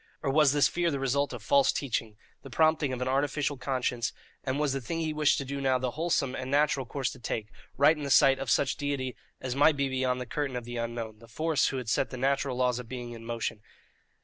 Or was this fear the result of false teaching, the prompting of an artificial conscience, and was the thing he wished to do the wholesome and natural course to take right in the sight of such Deity as might be beyond the curtain of the unknown, the Force who had set the natural laws of being in motion?